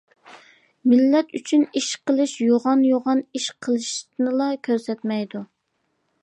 مىللەت ئۈچۈن ئىش قىلىش يوغان-يوغان ئىش قىلىشنىلا كۆرسەتمەيدۇ.